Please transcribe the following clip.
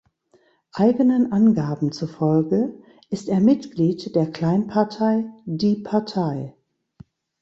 Eigenen Angaben zufolge ist er Mitglied der Kleinpartei Die Partei.